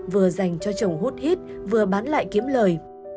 vừa dành cho chồng hút hít vừa bán lại kiếm lời